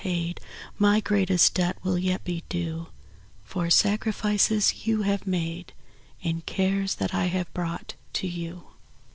'* 7^0 My greatest debt will yet be due For sacrifices you bave made And cares that I have brought to you.